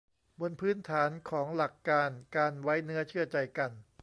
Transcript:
บนพื้นฐานของหลักการการไว้เนื้อเชื่อใจกัน